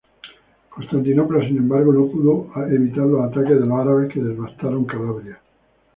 Constantinopla, sin embargo, no pudo evitar los ataques de los árabes, que devastaron Calabria.